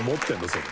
それ。